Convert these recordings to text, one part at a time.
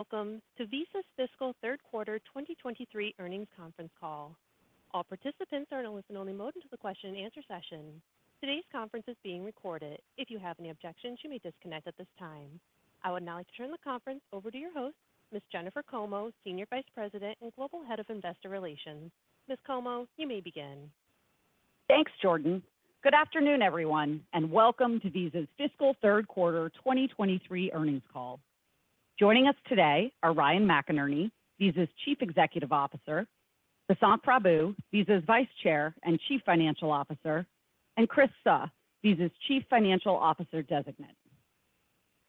Welcome to Visa's Fiscal Third Quarter 2023 Earnings Conference Call. All participants are in a listen-only mode until the question-and-answer session. Today's conference is being recorded. If you have any objections, you may disconnect at this time. I would now like to turn the conference over to your host, Ms. Jennifer Como, Senior Vice President and Global Head of Investor Relations. Ms. Como, you may begin. Thanks, Jordan. Good afternoon, everyone, and welcome to Visa's Fiscal Third Quarter 2023 earnings call. Joining us today are Ryan McInerney, Visa's Chief Executive Officer, Vasant Prabhu, Visa's Vice Chair and Chief Financial Officer, and Chris Suh, Visa's Chief Financial Officer Designate.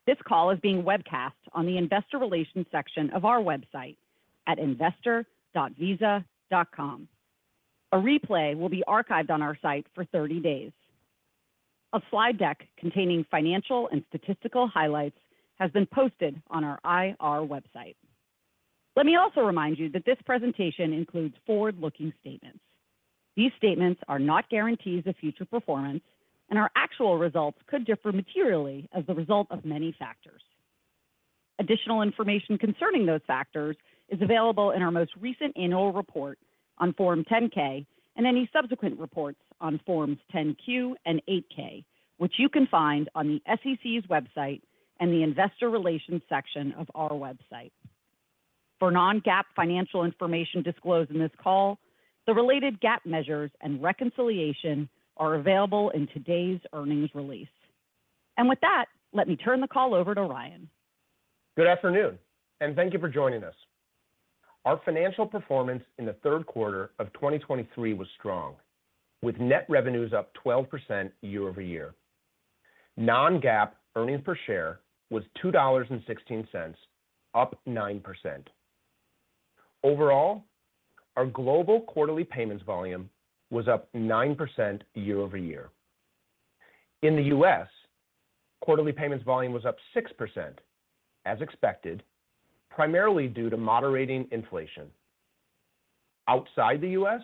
This call is being webcast on the Investor Relations section of our website at investor.visa.com. A replay will be archived on our site for 30 days. A slide deck containing financial and statistical highlights has been posted on our IR website. Let me also remind you that this presentation includes forward-looking statements. These statements are not guarantees of future performance, and our actual results could differ materially as a result of many factors. Additional information concerning those factors is available in our most recent annual report on Form 10-K and any subsequent reports on Forms 10-Q and 8-K, which you can find on the SEC's website and the Investor Relations section of our website. For non-GAAP financial information disclosed in this call, the related GAAP measures and reconciliation are available in today's earnings release. With that, let me turn the call over to Ryan. Good afternoon, thank you for joining us. Our financial performance in the third quarter of 2023 was strong, with net revenues up 12% year-over-year. Non-GAAP earnings per share was $2.16, up 9%. Overall, our global quarterly payments volume was up 9% year-over-year. In the U.S., quarterly payments volume was up 6%, as expected, primarily due to moderating inflation. Outside the U.S.,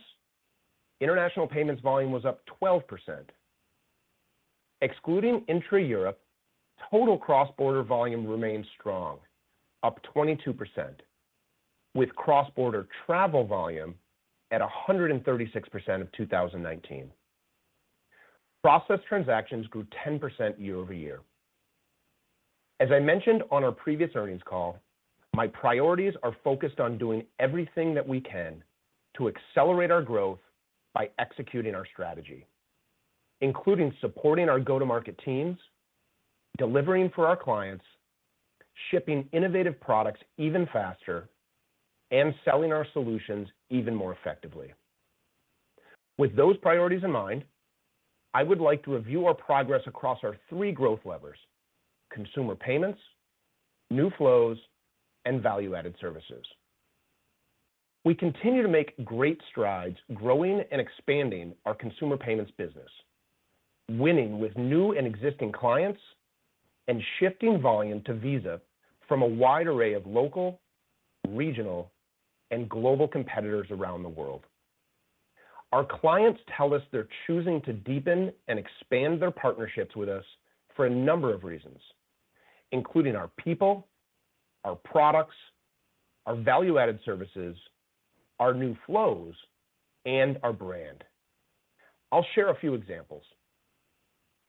international payments volume was up 12%. Excluding intra-Europe, total cross-border volume remained strong, up 22%, with cross-border travel volume at 136% of 2019. Processed transactions grew 10% year-over-year. As I mentioned on our previous earnings call, my priorities are focused on doing everything that we can to accelerate our growth by executing our strategy, including supporting our go-to-market teams, delivering for our clients, shipping innovative products even faster, and selling our solutions even more effectively. With those priorities in mind, I would like to review our progress across our three growth levers: consumer payments, new flows, and value-added services. We continue to make great strides growing and expanding our consumer payments business, winning with new and existing clients, and shifting volume to Visa from a wide array of local, regional, and global competitors around the world. Our clients tell us they're choosing to deepen and expand their partnerships with us for a number of reasons, including our people, our products, our value-added services, our new flows, and our brand. I'll share a few examples.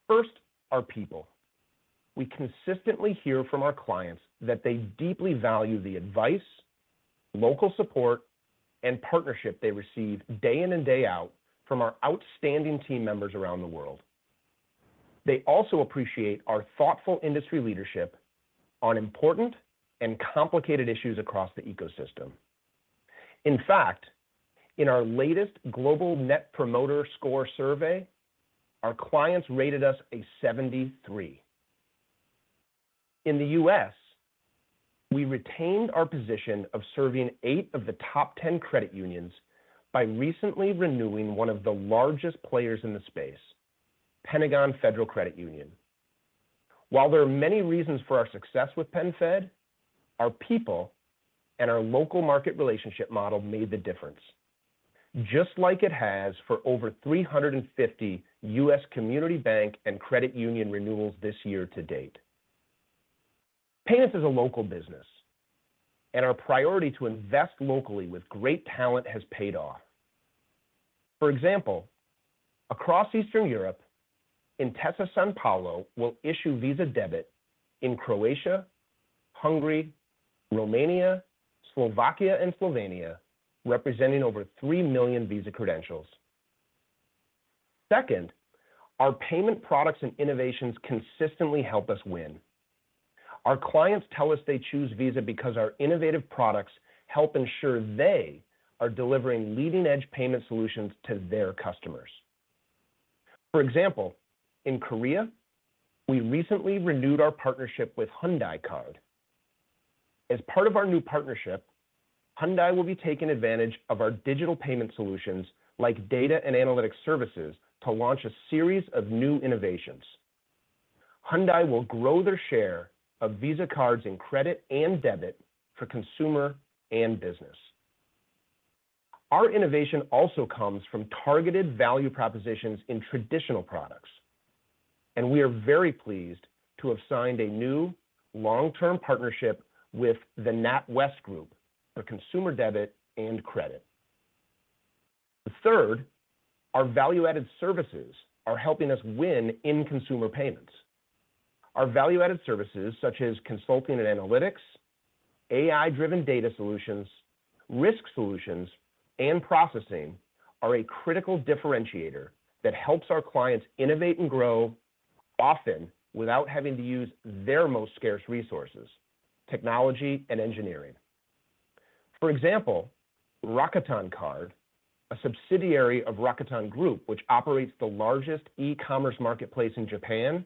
First, our people. We consistently hear from our clients that they deeply value the advice, local support, and partnership they receive day in and day out from our outstanding team members around the world. They also appreciate our thoughtful industry leadership on important and complicated issues across the ecosystem. In fact, in our latest Global Net Promoter Score survey, our clients rated us a 73. In the U.S., we retained our position of serving eight of the top 10 credit unions by recently renewing one of the largest players in the space, Pentagon Federal Credit Union. While there are many reasons for our success with PenFed, our people and our local market relationship model made the difference, just like it has for over 350 U.S. community bank and credit union renewals this year to date. Payments is a local business, and our priority to invest locally with great talent has paid off. For example, across Eastern Europe, Intesa Sanpaolo will issue Visa Debit in Croatia, Hungary, Romania, Slovakia, and Slovenia, representing over 3 million Visa credentials. Second, our payment products and innovations consistently help us win. Our clients tell us they choose Visa because our innovative products help ensure they are delivering leading-edge payment solutions to their customers. For example, in Korea, we recently renewed our partnership with Hyundai Card. As part of our new partnership, Hyundai will be taking advantage of our digital payment solutions, like data and analytics services, to launch a series of new innovations. Hyundai will grow their share of Visa cards in credit and debit for consumer and business. Our innovation also comes from targeted value propositions in traditional products, and we are very pleased to have signed a new long-term partnership with the NatWest Group for consumer debit and credit. Third, our value-added services are helping us win in consumer payments. Our value-added services, such as consulting and analytics, AI-driven data solutions, risk solutions, and processing, are a critical differentiator that helps our clients innovate and grow, often without having to use their most scarce resources, technology and engineering. For example, Rakuten Card, a subsidiary of Rakuten Group, which operates the largest e-commerce marketplace in Japan,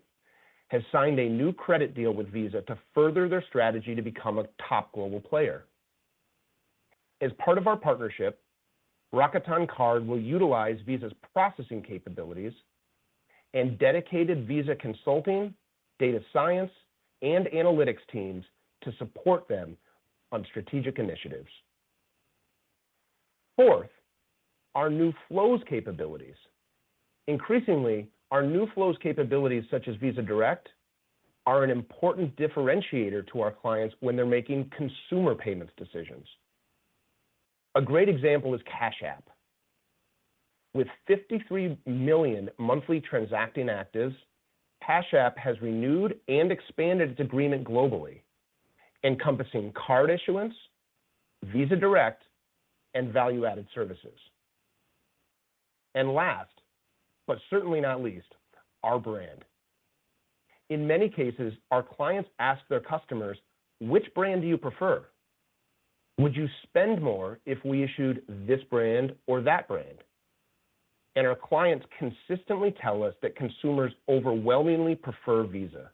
has signed a new credit deal with Visa to further their strategy to become a top global player. As part of our partnership, Rakuten Card will utilize Visa's processing capabilities and dedicated Visa consulting, data science, and analytics teams to support them on strategic initiatives. Fourth, our new flows capabilities. Increasingly, our new flows capabilities, such as Visa Direct, are an important differentiator to our clients when they're making consumer payments decisions. A great example is Cash App. With 53 million monthly transacting actives, Cash App has renewed and expanded its agreement globally, encompassing card issuance, Visa Direct, and value-added services. Last, but certainly not least, our brand. In many cases, our clients ask their customers, "Which brand do you prefer? Would you spend more if we issued this brand or that brand?" Our clients consistently tell us that consumers overwhelmingly prefer Visa.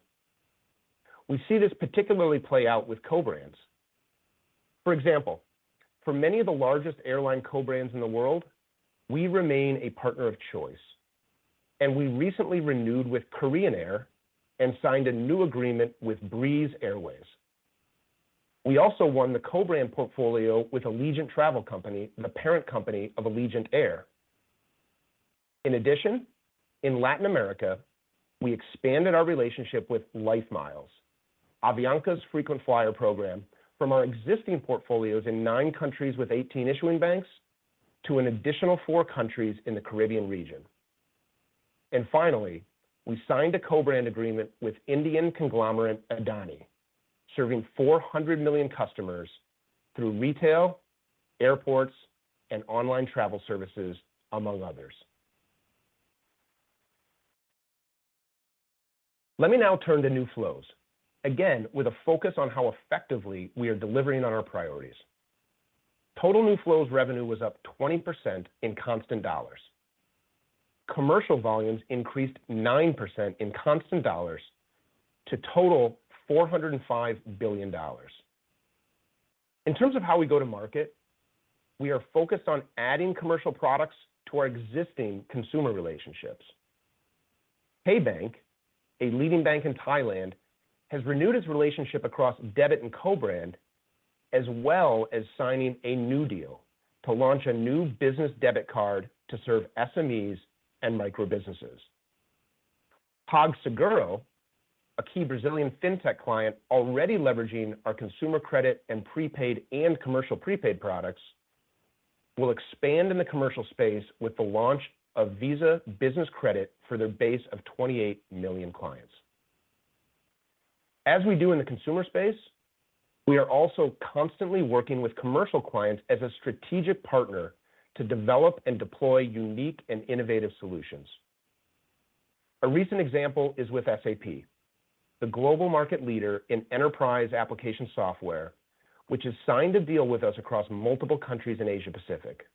We see this particularly play out with co-brands. For example, for many of the largest airline co-brands in the world, we remain a partner of choice, and we recently renewed with Korean Air and signed a new agreement with Breeze Airways. We also won the co-brand portfolio with Allegiant Travel Company, the parent company of Allegiant Air. In Latin America, we expanded our relationship with LifeMiles, Avianca's frequent flyer program, from our existing portfolios in nine countries with 18 issuing banks to an additional four countries in the Caribbean region. Finally, we signed a co-brand agreement with Indian conglomerate Adani, serving 400 million customers through retail, airports, and online travel services, among others. Let me now turn to new flows, again, with a focus on how effectively we are delivering on our priorities. Total new flows revenue was up 20% in constant dollars. Commercial volumes increased 9% in constant dollars to total $405 billion. In terms of how we go to market, we are focused on adding commercial products to our existing consumer relationships. KBank, a leading bank in Thailand, has renewed its relationship across debit and co-brand, as well as signing a new deal to launch a new business debit card to serve SMEs and micro-businesses. PagSeguro, a key Brazilian fintech client already leveraging our consumer credit and prepaid and commercial prepaid products, will expand in the commercial space with the launch of Visa Business Credit for their base of 28 million clients. As we do in the consumer space, we are also constantly working with commercial clients as a strategic partner to develop and deploy unique and innovative solutions. A recent example is with SAP, the global market leader in enterprise application software, which has signed a deal with us across multiple countries in Asia-Pacific.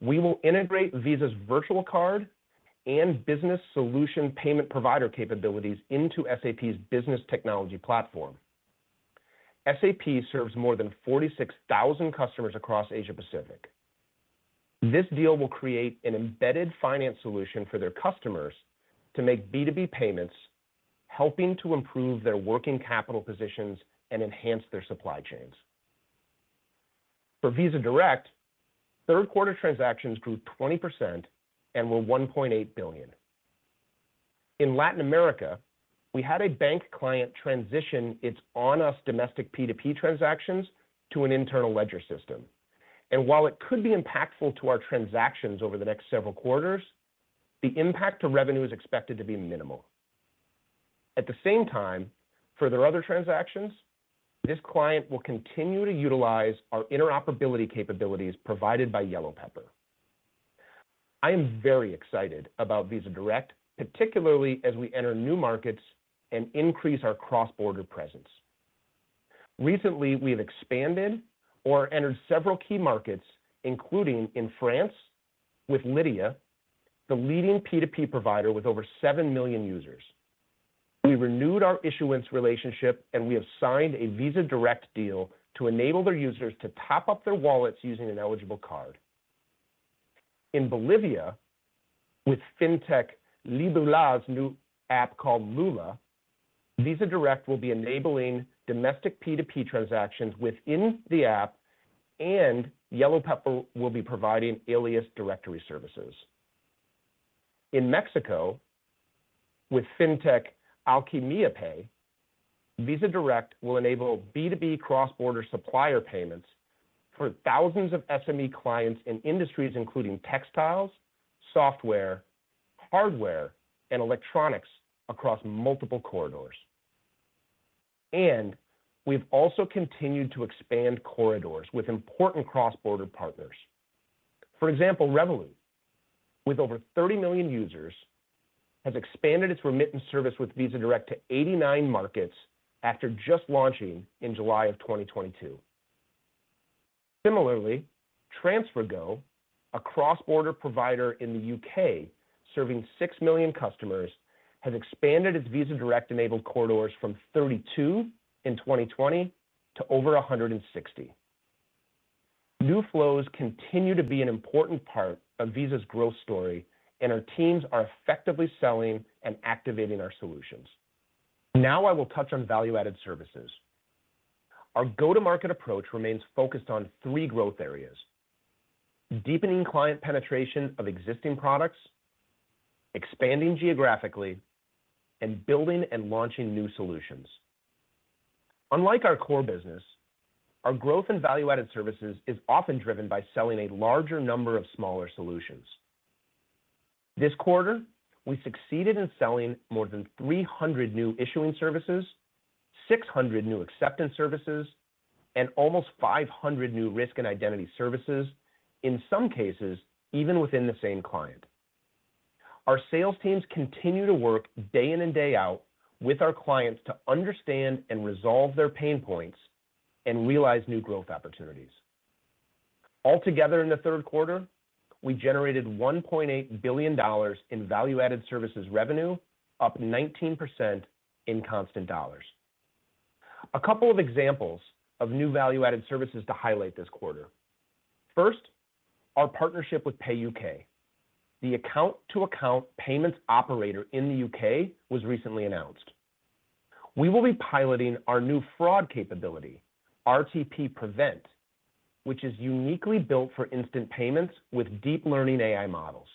We will integrate Visa's virtual card and business solution payment provider capabilities into SAP's business technology platform. SAP serves more than 46,000 customers across Asia-Pacific. This deal will create an embedded finance solution for their customers to make B2B payments, helping to improve their working capital positions and enhance their supply chains. For Visa Direct, third quarter transactions grew 20% and were $1.8 billion. In Latin America, we had a bank client transition its on-us domestic P2P transactions to an internal ledger system. While it could be impactful to our transactions over the next several quarters, the impact to revenue is expected to be minimal. At the same time, for their other transactions, this client will continue to utilize our interoperability capabilities provided by YellowPepper. I am very excited about Visa Direct, particularly as we enter new markets and increase our cross-border presence. Recently, we have expanded or entered several key markets, including in France with Lydia, the leading P2P provider with over 7 million users. We renewed our issuance relationship. We have signed a Visa Direct deal to enable their users to top up their wallets using an eligible card. In Bolivia, with fintech Libélula's new app called Lula, Visa Direct will be enabling domestic P2P transactions within the app, and YellowPepper will be providing alias directory services. In Mexico, with Fintech Alquimia Pay, Visa Direct will enable B2B cross-border supplier payments for thousands of SME clients in industries including textiles, software, hardware, and electronics across multiple corridors. We've also continued to expand corridors with important cross-border partners. For example, Revolut, with over 30 million users, has expanded its remittance service with Visa Direct to 89 markets after just launching in July of 2022. Similarly, TransferGo, a cross-border provider in the U.K., serving 6 million customers, has expanded its Visa Direct-enabled corridors from 32 in 2020 to over 160. New flows continue to be an important part of Visa's growth story, and our teams are effectively selling and activating our solutions. I will touch on value-added services. Our go-to-market approach remains focused on three growth areas: deepening client penetration of existing products, expanding geographically, and building and launching new solutions. Unlike our core business, our growth in value-added services is often driven by selling a larger number of smaller solutions. This quarter, we succeeded in selling more than 300 new issuing services, 600 new acceptance services, and almost 500 new risk and identity services, in some cases, even within the same client. Our sales teams continue to work day in and day out with our clients to understand and resolve their pain points and realize new growth opportunities. Altogether, in the third quarter, we generated $1.8 billion in value-added services revenue, up 19% in constant dollars. A couple of examples of new value-added services to highlight this quarter. First, our partnership with Pay.UK, the account-to-account payments operator in the UK, was recently announced. We will be piloting our new fraud capability, RTP Prevent, which is uniquely built for instant payments with deep learning AI models.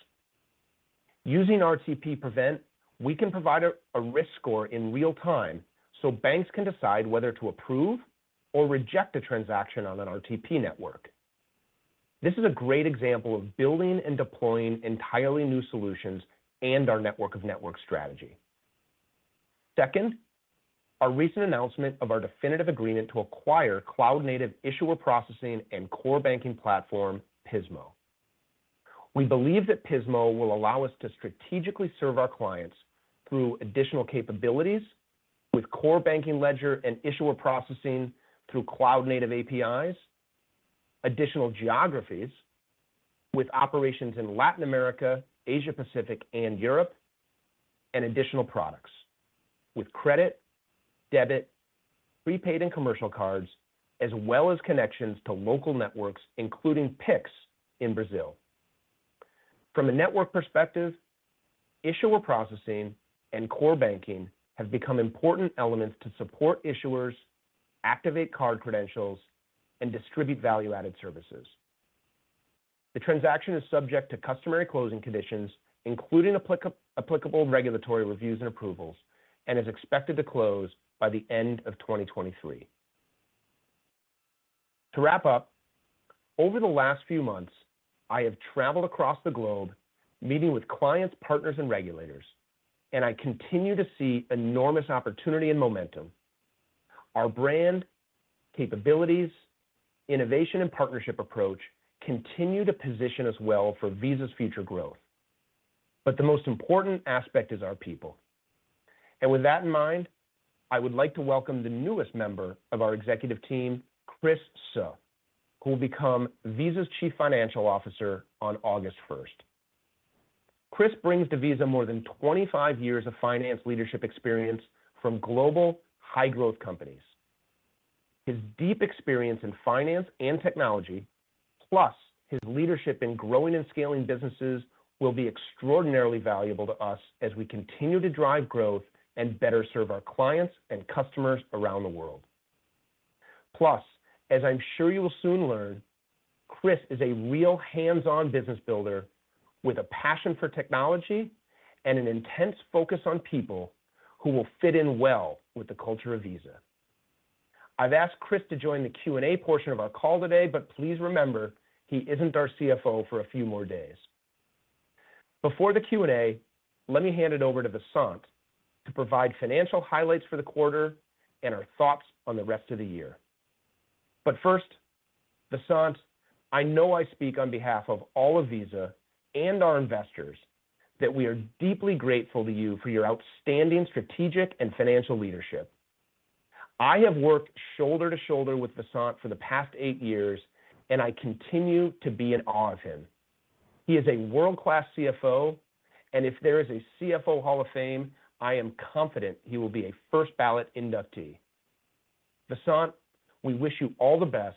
Using RTP Prevent, we can provide a risk score in real time, so banks can decide whether to approve or reject a transaction on an RTP network. This is a great example of building and deploying entirely new solutions and our network of network strategy. Second, our recent announcement of our definitive agreement to acquire cloud-native issuer processing and core banking platform, Pismo. We believe that Pismo will allow us to strategically serve our clients through additional capabilities with core banking ledger and issuer processing through cloud-native APIs, additional geographies with operations in Latin America, Asia Pacific, and Europe, and additional products with credit, debit, prepaid, and commercial cards, as well as connections to local networks, including Pix in Brazil. From a network perspective, issuer processing and core banking have become important elements to support issuers, activate card credentials, and distribute value-added services. The transaction is subject to customary closing conditions, including applicable regulatory reviews and approvals, and is expected to close by the end of 2023. To wrap up, over the last few months, I have traveled across the globe, meeting with clients, partners, and regulators, and I continue to see enormous opportunity and momentum. Our brand, capabilities, innovation, and partnership approach continue to position us well for Visa's future growth. The most important aspect is our people. With that in mind, I would like to welcome the newest member of our executive team, Chris Suh, who will become Visa's Chief Financial Officer on August 1st. Chris brings to Visa more than 25 years of finance leadership experience from global high-growth companies. His deep experience in finance and technology, plus his leadership in growing and scaling businesses, will be extraordinarily valuable to us as we continue to drive growth and better serve our clients and customers around the world. As I'm sure you will soon learn, Chris is a real hands-on business builder with a passion for technology and an intense focus on people, who will fit in well with the culture of Visa. I've asked Chris to join the Q&A portion of our call today, but please remember, he isn't our CFO for a few more days. Before the Q&A, let me hand it over to Vasant to provide financial highlights for the quarter and our thoughts on the rest of the year. First, Vasant, I know I speak on behalf of all of Visa and our investors, that we are deeply grateful to you for your outstanding strategic and financial leadership. I have worked shoulder to shoulder with Vasant for the past eight years, and I continue to be in awe of him. He is a world-class CFO, and if there is a CFO Hall of Fame, I am confident he will be a first-ballot inductee. Vasant, we wish you all the best.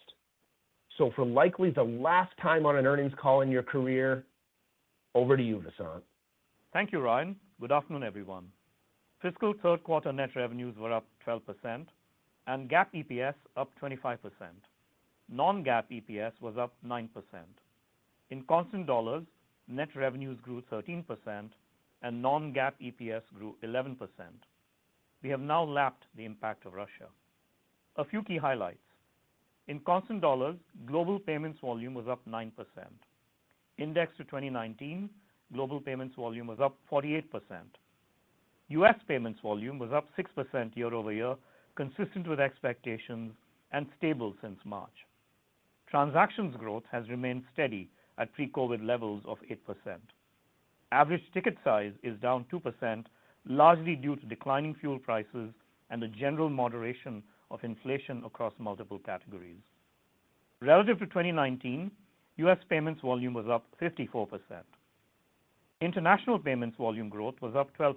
For likely the last time on an earnings call in your career, over to you, Vasant. Thank you, Ryan. Good afternoon, everyone. Fiscal Third Quarter net revenues were up 12% and GAAP EPS up 25%. Non-GAAP EPS was up 9%. In constant dollars, net revenues grew 13% and non-GAAP EPS grew 11%. We have now lapped the impact of Russia. A few key highlights. In constant dollars, global payments volume was up 9%. Indexed to 2019, global payments volume was up 48%. U.S. payments volume was up 6% year-over-year, consistent with expectations and stable since March. Transactions growth has remained steady at pre-COVID levels of 8%. Average ticket size is down 2%, largely due to declining fuel prices and the general moderation of inflation across multiple categories. Relative to 2019, U.S. payments volume was up 54%. International payments volume growth was up 12%.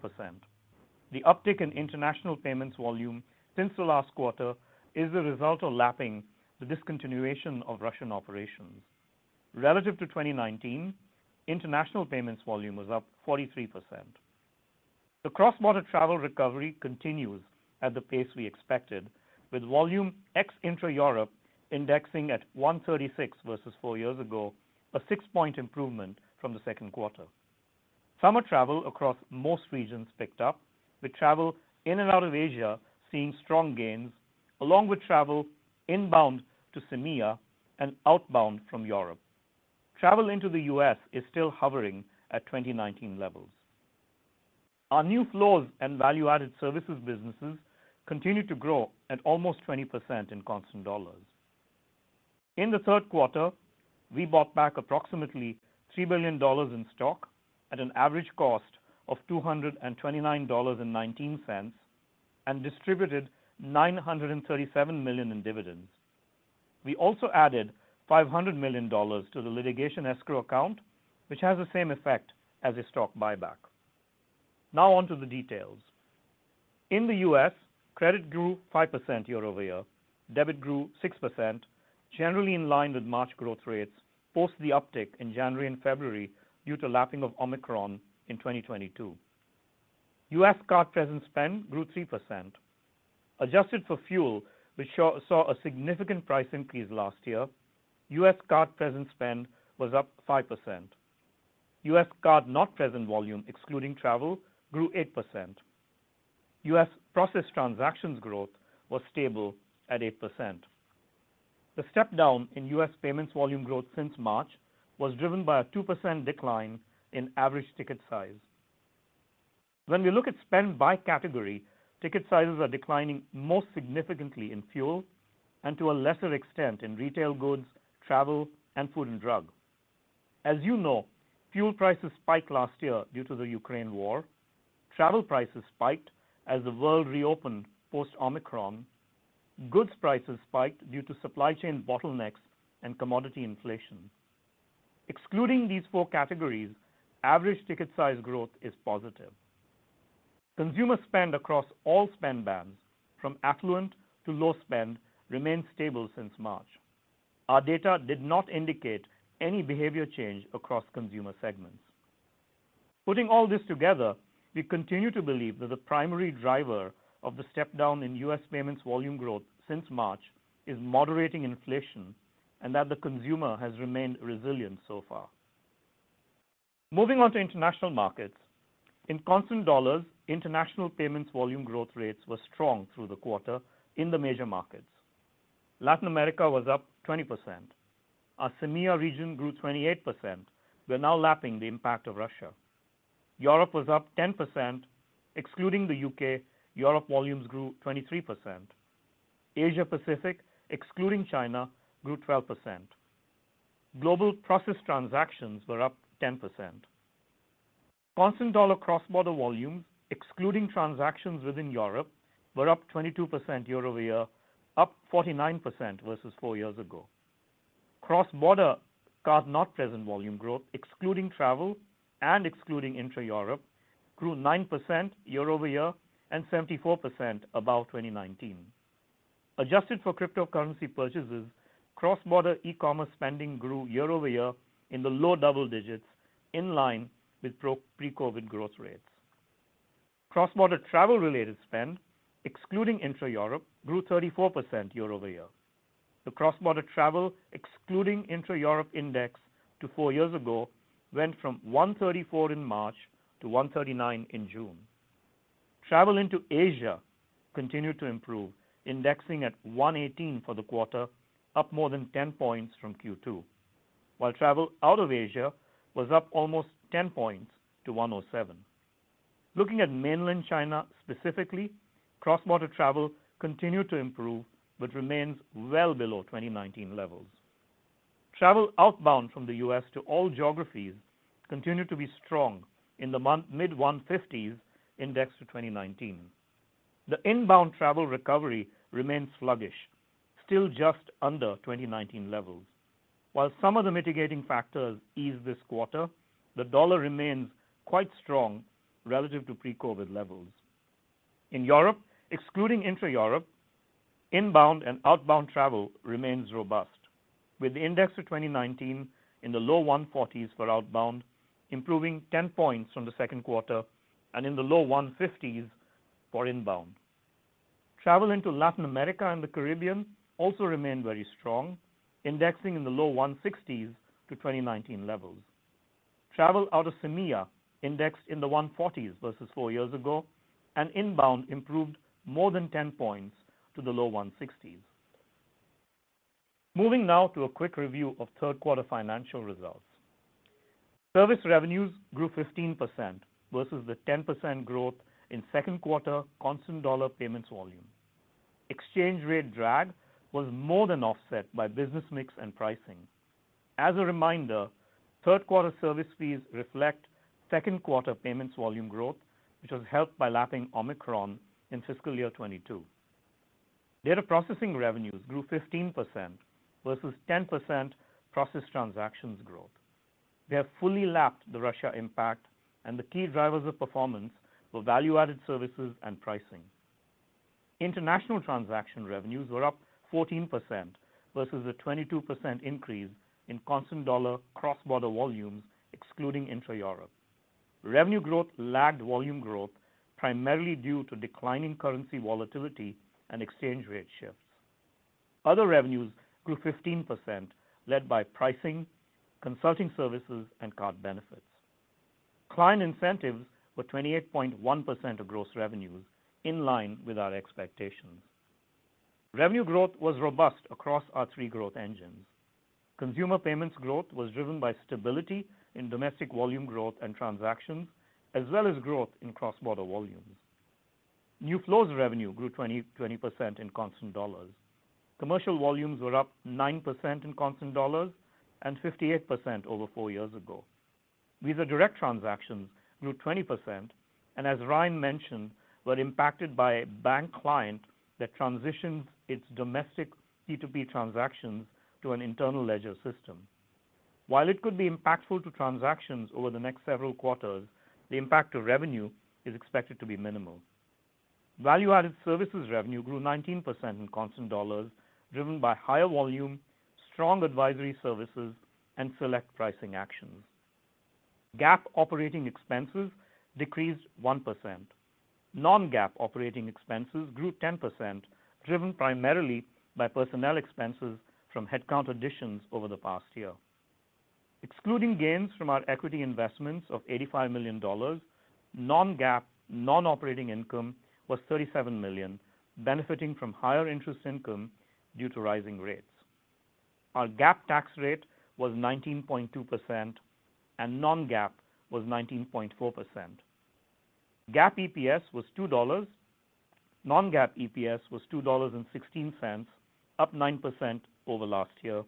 The uptick in international payments volume since the last quarter is a result of lapping the discontinuation of Russian operations. Relative to 2019, international payments volume was up 43%. The cross-border travel recovery continues at the pace we expected, with volume ex-intra-Europe indexing at 136 versus four years ago, a six-point improvement from the second quarter. Summer travel across most regions picked up, with travel in and out of Asia seeing strong gains, along with travel inbound to CEMEA and outbound from Europe. Travel into the US is still hovering at 2019 levels. Our new flows and value-added services businesses continued to grow at almost 20% in constant dollars. In the third quarter, we bought back approximately $3 billion in stock at an average cost of $229.19, and distributed $937 million in dividends. We also added $500 million to the litigation escrow account, which has the same effect as a stock buyback. On to the details. In the U.S., credit grew 5% year-over-year. Debit grew 6%, generally in line with March growth rates post the uptick in January and February due to lapping of Omicron in 2022. U.S. card present spend grew 3%. Adjusted for fuel, which saw a significant price increase last year, U.S. card present spend was up 5%. U.S. card not present volume, excluding travel, grew 8%. U.S. processed transactions growth was stable at 8%. The step down in U.S. payments volume growth since March was driven by a 2% decline in average ticket size. When we look at spend by category, ticket sizes are declining most significantly in fuel and to a lesser extent in retail goods, travel, and food and drug. As you know, fuel prices spiked last year due to the Ukraine war. Travel prices spiked as the world reopened post Omicron. Goods prices spiked due to supply chain bottlenecks and commodity inflation. Excluding these four categories, average ticket size growth is positive. Consumer spend across all spend bands, from affluent to low spend, remains stable since March. Our data did not indicate any behavior change across consumer segments. Putting all this together, we continue to believe that the primary driver of the step down in U.S. payments volume growth since March is moderating inflation, and that the consumer has remained resilient so far. Moving on to international markets. In constant dollars, international payments volume growth rates were strong through the quarter in the major markets. Latin America was up 20%. Our CEMEA region grew 28%. We are now lapping the impact of Russia. Europe was up 10%. Excluding the UK, Europe volumes grew 23%. Asia Pacific, excluding China, grew 12%. Global processed transactions were up 10%. Constant dollar cross-border volume, excluding transactions within Europe, were up 22% year-over-year, up 49% versus four years ago. Cross-border card not present volume growth, excluding travel and excluding intra-Europe, grew 9% year-over-year and 74% above 2019. Adjusted for cryptocurrency purchases, cross-border e-commerce spending grew year-over-year in the low double digits, in line with pre-COVID growth rates. Cross-border travel-related spend, excluding intra-Europe, grew 34% year-over-year. The cross-border travel, excluding intra-Europe index to four years ago, went from 134 in March to 139 in June. Travel into Asia continued to improve, indexing at 118 for the quarter, up more than 10 points from Q2, while travel out of Asia was up almost 10 points to 107. Looking at mainland China, specifically, cross-border travel continued to improve, but remains well below 2019 levels. Travel outbound from the U.S. to all geographies continued to be strong in the month, mid-150s indexed to 2019. The inbound travel recovery remains sluggish. Still just under 2019 levels. While some of the mitigating factors ease this quarter, the dollar remains quite strong relative to pre-COVID levels. In Europe, excluding intra-Europe, inbound and outbound travel remains robust, with the index to 2019 in the low 140s for outbound, improving 10 points from the second quarter, and in the low 150s for inbound. Travel into Latin America and the Caribbean also remained very strong, indexing in the low 160s to 2019 levels. Travel out of SEMIA indexed in the 140s versus four years ago, and inbound improved more than 10 points to the low 160s. Moving now to a quick review of third quarter financial results. Service revenues grew 15% versus the 10% growth in second quarter constant dollar payments volume. Exchange rate drag was more than offset by business mix and pricing. As a reminder, third quarter service fees reflect second quarter payments volume growth, which was helped by lapping Omicron in fiscal year 2022. Data processing revenues grew 15% versus 10% processed transactions growth. We have fully lapped the Russia impact. The key drivers of performance were value-added services and pricing. International transaction revenues were up 14% versus a 22% increase in constant dollar cross-border volumes, excluding intra-Europe. Revenue growth lagged volume growth, primarily due to declining currency volatility and exchange rate shifts. Other revenues grew 15%, led by pricing, consulting services, and card benefits. Client incentives were 28.1% of gross revenues, in line with our expectations. Revenue growth was robust across our three growth engines. Consumer payments growth was driven by stability in domestic volume growth and transactions, as well as growth in cross-border volumes. New flows revenue grew 20% in constant dollars. Commercial volumes were up 9% in constant dollars and 58% over four years ago. Visa direct transactions grew 20%, and as Ryan mentioned, were impacted by a bank client that transitioned its domestic P2P transactions to an internal ledger system. While it could be impactful to transactions over the next several quarters, the impact to revenue is expected to be minimal. Value-added services revenue grew 19% in constant dollars, driven by higher volume, strong advisory services, and select pricing actions. GAAP operating expenses decreased 1%. Non-GAAP operating expenses grew 10%, driven primarily by personnel expenses from headcount additions over the past year. Excluding gains from our equity investments of $85 million, non-GAAP, non-operating income was $37 million, benefiting from higher interest income due to rising rates. Our GAAP tax rate was 19.2%, and non-GAAP was 19.4%. GAAP EPS was $2. Non-GAAP EPS was $2.16, up 9% over last year,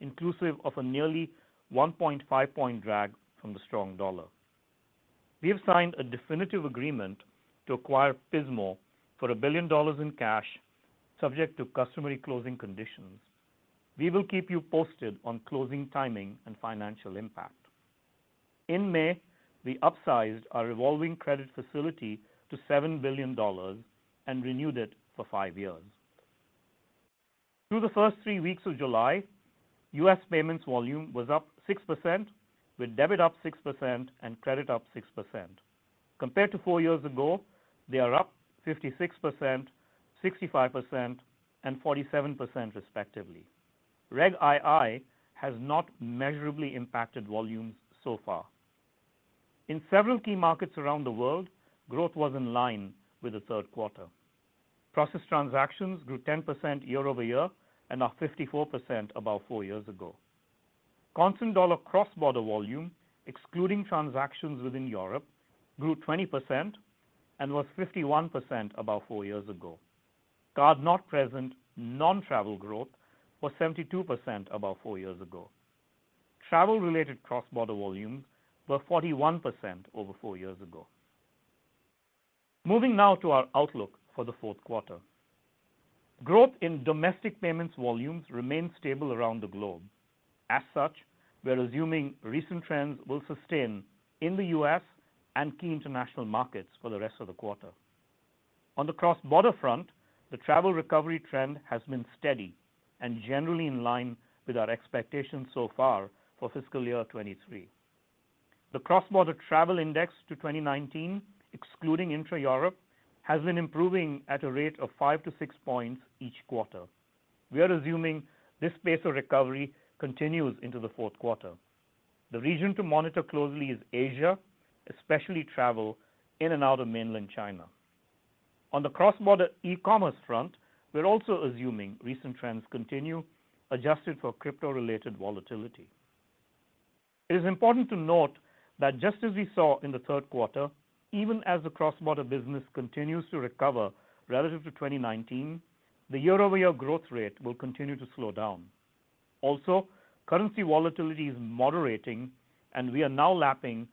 inclusive of a nearly 1.5 point drag from the strong dollar. We have signed a definitive agreement to acquire Pismo for $1 billion in cash, subject to customary closing conditions. We will keep you posted on closing timing and financial impact. In May, we upsized our revolving credit facility to $7 billion and renewed it for five years. Through the first three weeks of July, U.S. payments volume was up 6%, with debit up 6% and credit up 6%. Compared to four years ago, they are up 56%, 65%, and 47%, respectively. Reg II has not measurably impacted volumes so far. In several key markets around the world, growth was in line with the third quarter. Processed transactions grew 10% year-over-year and are 54% about four years ago. Constant dollar cross-border volume, excluding transactions within Europe, grew 20% and was 51% about four years ago. Card not present, non-travel growth was 72% about four years ago. Travel-related cross-border volumes were 41% over four years ago. Moving now to our outlook for the fourth quarter. Growth in domestic payments volumes remains stable around the globe. As such, we are assuming recent trends will sustain in the U.S. and key international markets for the rest of the quarter. On the cross-border front, the travel recovery trend has been steady and generally in line with our expectations so far for Fiscal Year 2023. The cross-border travel index to 2019, excluding intra-Europe, has been improving at a rate of five to six points each quarter. We are assuming this pace of recovery continues into the fourth quarter. The region to monitor closely is Asia, especially travel in and out of mainland China. On the cross-border e-commerce front, we're also assuming recent trends continue, adjusted for crypto-related volatility. It is important to note that just as we saw in the third quarter, even as the cross-border business continues to recover relative to 2019, the year-over-year growth rate will continue to slow down. Also, currency volatility is moderating, and we are now lapping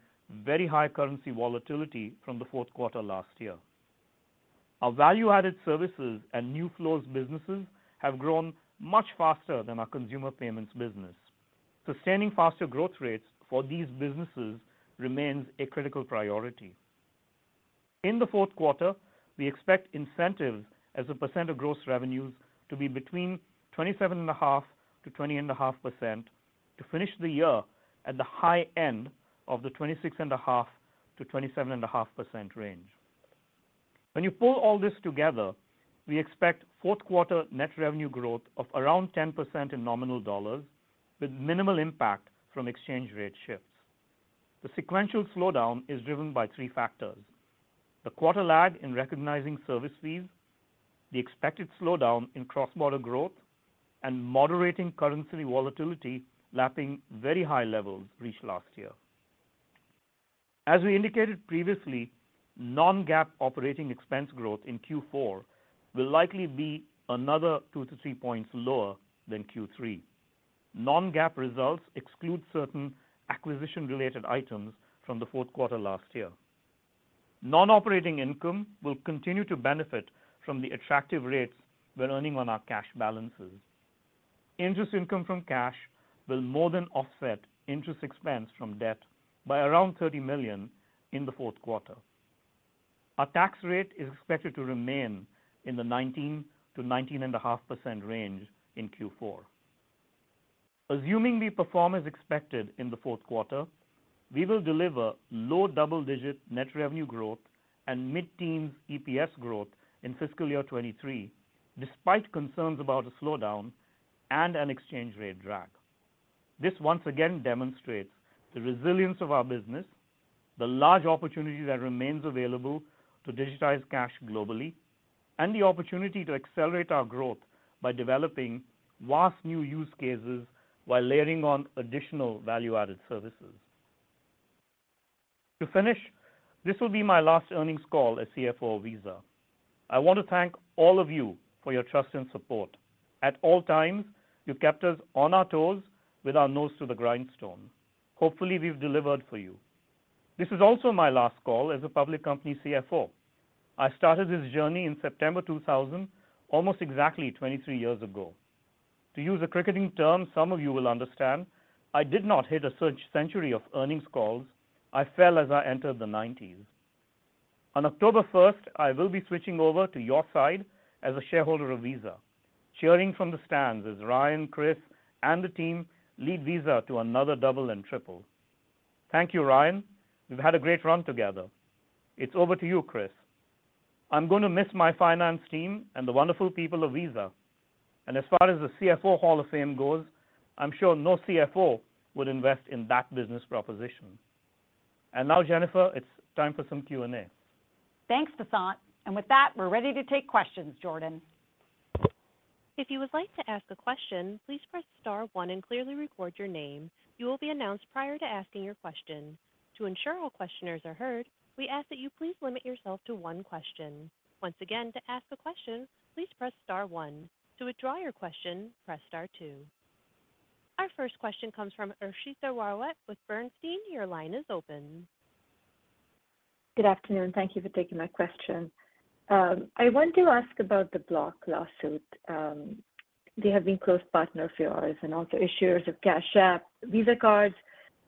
very high currency volatility from the fourth quarter last year. Our value-added services and new flows businesses have grown much faster than our consumer payments business. Sustaining faster growth rates for these businesses remains a critical priority. In the fourth quarter, we expect incentives as a percent of gross revenues to be between 27.5% to 20.5%, to finish the year at the high end of the 26.5%-27.5% range. When you pull all this together, we expect fourth quarter net revenue growth of around 10% in nominal dollars, with minimal impact from exchange rate shifts. The sequential slowdown is driven by three factors: the quarter lag in recognizing service fees, the expected slowdown in cross-border growth, and moderating currency volatility, lapping very high levels reached last year. As we indicated previously, non-GAAP operating expense growth in Q4 will likely be another two to three points lower than Q3. Non-GAAP results exclude certain acquisition-related items from the fourth quarter last year. Non-operating income will continue to benefit from the attractive rates we're earning on our cash balances. Interest income from cash will more than offset interest expense from debt by around $30 million in the fourth quarter. Our tax rate is expected to remain in the 19%-19.5% range in Q4. Assuming we perform as expected in the fourth quarter, we will deliver low double-digit net revenue growth and mid-teen EPS growth in fiscal year 2023, despite concerns about a slowdown and an exchange rate drag. This once again demonstrates the resilience of our business, the large opportunity that remains available to digitize cash globally, and the opportunity to accelerate our growth by developing vast new use cases while layering on additional value-added services. This will be my last earnings call as CFO of Visa. I want to thank all of you for your trust and support. At all times, you've kept us on our toes with our nose to the grindstone. Hopefully, we've delivered for you. This is also my last call as a public company CFO. I started this journey in September 2000, almost exactly 23 years ago. To use a cricketing term, some of you will understand, I did not hit a search century of earnings calls. I fell as I entered the 90's. On October 1st, I will be switching over to your side as a shareholder of Visa, cheering from the stands as Ryan, Chris, and the team lead Visa to another double and triple. Thank you, Ryan. We've had a great run together. It's over to you, Chris. I'm going to miss my finance team and the wonderful people of Visa, and as far as the CFO Hall of Fame goes, I'm sure no CFO would invest in that business proposition. Now, Jennifer, it's time for some Q&A. Thanks, Vasant. With that, we're ready to take questions, Jordan. If you would like to ask a question, please press star one and clearly record your name. You will be announced prior to asking your question. To ensure all questioners are heard, we ask that you please limit yourself to one question. Once again, to ask a question, please press star one. To withdraw your question, press star two. Our first question comes from Harshita Rawat with Bernstein. Your line is open. Good afternoon. Thank you for taking my question. I want to ask about the Block lawsuit. They have been close partner of yours and also issuers of Cash App, Visa cards,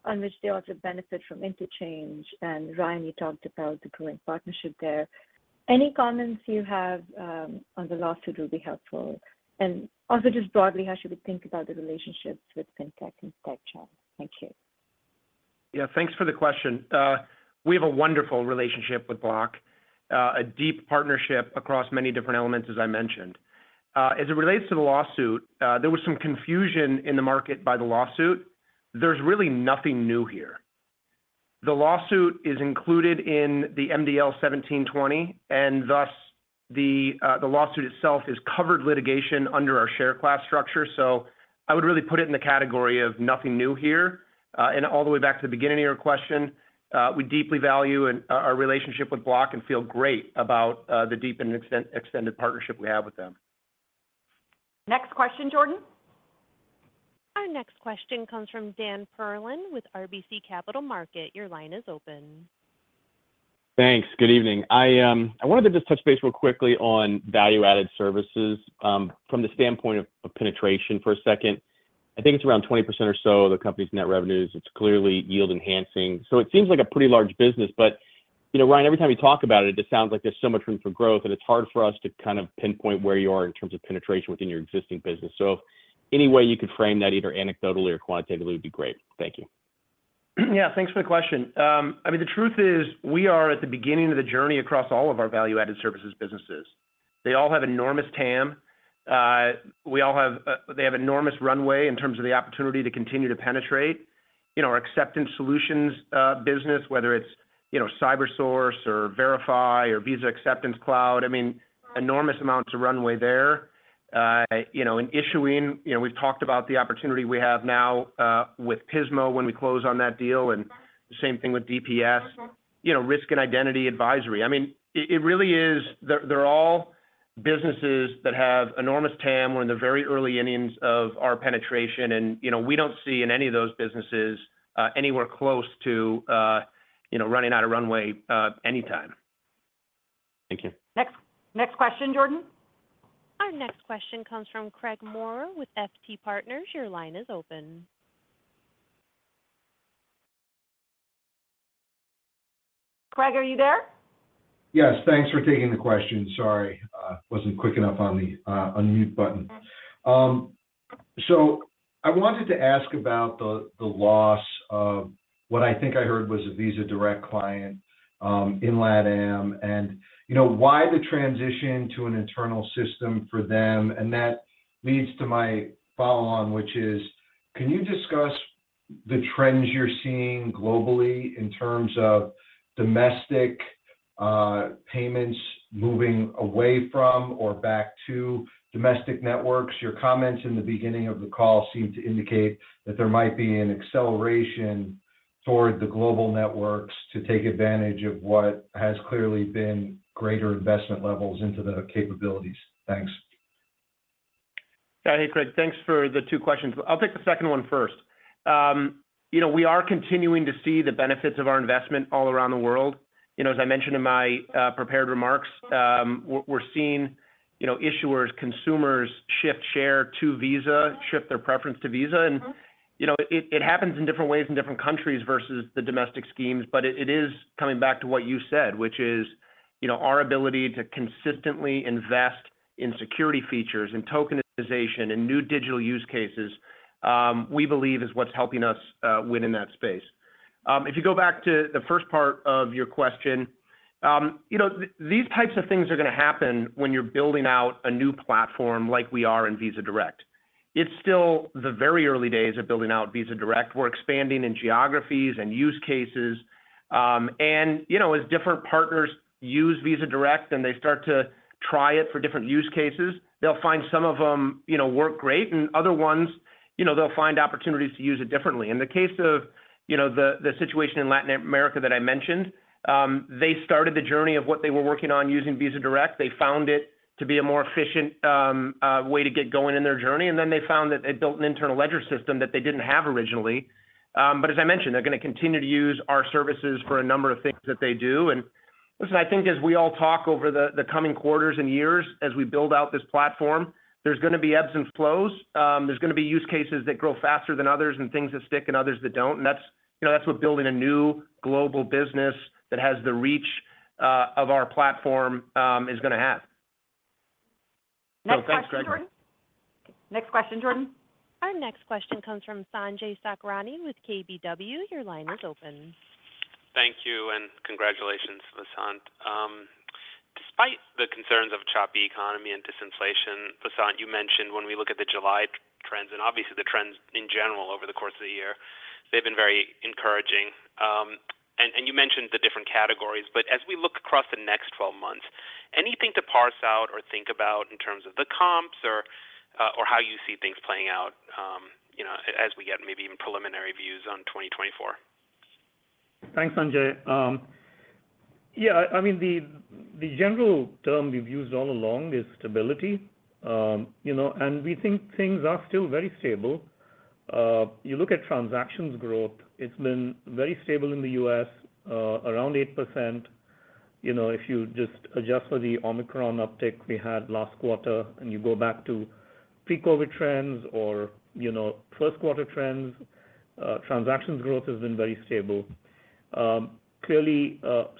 on which they also benefit from interchange. Ryan, you talked about the growing partnership there. Any comments you have on the lawsuit will be helpful. Also just broadly, how should we think about the relationships with Fintech and [Tech5]? Thank you. Yeah, thanks for the question. We have a wonderful relationship with Block, a deep partnership across many different elements, as I mentioned. As it relates to the lawsuit, there was some confusion in the market by the lawsuit. There's really nothing new here. The lawsuit is included in the MDL 1720. Thus the lawsuit itself is covered litigation under our share class structure. I would really put it in the category of nothing new here. All the way back to the beginning of your question, we deeply value our relationship with Block and feel great about the deep and extended partnership we have with them. Next question, Jordan? Our next question comes from Dan Perlin with RBC Capital Market. Your line is open. Thanks. Good evening. I wanted to just touch base real quickly on value-added services from the standpoint of penetration for a second. I think it's around 20% or so of the company's net revenues. It's clearly yield-enhancing. It seems like a pretty large business. You know, Ryan, every time you talk about it just sounds like there's so much room for growth, and it's hard for us to kind of pinpoint where you are in terms of penetration within your existing business. Any way you could frame that, either anecdotally or quantitatively, would be great. Thank you. thanks for the question. I mean, the truth is, we are at the beginning of the journey across all of our value-added services businesses. They all have enormous TAM. They have enormous runway in terms of the opportunity to continue to penetrate. You know, our acceptance solutions business, whether it's, you know, Cybersource or Verify or Visa Acceptance Cloud, I mean, enormous amounts of runway there. You know, in issuing, you know, we've talked about the opportunity we have now with Pismo when we close on that deal. Same thing with DPS, you know, risk and identity advisory. I mean, it really is, they're all businesses that have enormous TAM. We're in the very early innings of our penetration, and, you know, we don't see in any of those businesses, anywhere close to, you know, running out of runway, anytime. Thank you. Next question, Jordan? Our next question comes from Craig Maurer with FT Partners. Your line is open. Craig, are you there? Yes. Thanks for taking the question. Sorry, I wasn't quick enough on the unmute button. I wanted to ask about the loss of what I think I heard was a Visa Direct client in LATAM, and, you know, why the transition to an internal system for them? That leads to my follow-on, which is, can you discuss the trends you're seeing globally in terms of domestic payments moving away from or back to domestic networks? Your comments in the beginning of the call seemed to indicate that there might be an acceleration toward the global networks to take advantage of what has clearly been greater investment levels into the capabilities. Thanks. Yeah. Hey, Craig. Thanks for the two questions. I'll take the second one first. You know, we are continuing to see the benefits of our investment all around the world. You know, as I mentioned in my prepared remarks, we're seeing, you know, issuers, consumers shift share to Visa, shift their preference to Visa. You know, it happens in different ways in different countries versus the domestic schemes, but it is coming back to what you said, which is, you know, our ability to consistently invest in security features and tokenization and new digital use cases, we believe is what's helping us win in that space. If you go back to the first part of your question, you know, these types of things are going to happen when you're building out a new platform like we are in Visa Direct. It's still the very early days of building out Visa Direct. We're expanding in geographies and use cases. You know, as different partners use Visa Direct, and they start to try it for different use cases, they'll find some of them, you know, work great, and other ones, you know, they'll find opportunities to use it differently. In the case of, you know, the situation in Latin America that I mentioned, they started the journey of what they were working on using Visa Direct. They found it to be a more efficient way to get going in their journey. They found that it built an internal ledger system that they didn't have originally. As I mentioned, they're going to continue to use our services for a number of things that they do. Listen, I think as we all talk over the coming quarters and years, as we build out this platform, there's going to be ebbs and flows. There's going to be use cases that grow faster than others and things that stick and others that don't. That's, you know, that's what building a new global business that has the reach of our platform is going to have. Thanks, Craig. Next question, Jordan? Our next question comes from Sanjay Sakhrani with KBW. Your line is open. Thank you, and congratulations, Vasant. Despite the concerns of a choppy economy and disinflation, Vasant, you mentioned when we look at the July trends, and obviously the trends in general over the course of the year, they've been very encouraging. You mentioned the different categories, but as we look across the next 12 months, anything to parse out or think about in terms of the comps or how you see things playing out, you know, as we get maybe even preliminary views on 2024? Thanks, Sanjay. Yeah, I mean, the general term we've used all along is stability. You know, we think things are still very stable. You look at transactions growth, it's been very stable in the U.S., around 8%. You know, if you just adjust for the Omicron uptick we had last quarter, and you go back to pre-COVID trends or, you know, first quarter trends, transactions growth has been very stable. Clearly,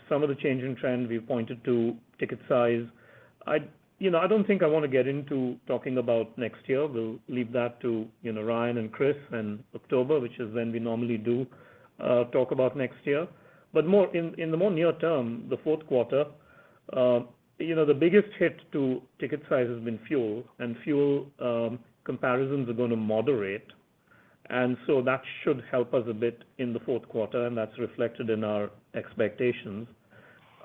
some of the changing trends we've pointed to ticket size. You know, I don't think I want to get into talking about next year. We'll leave that to, you know, Ryan and Chris in October, which is when we normally do, talk about next year. In the more near term, the fourth quarter, you know, the biggest hit to ticket size has been fuel, and fuel, comparisons are going to moderate, and so that should help us a bit in the fourth quarter, and that's reflected in our expectations.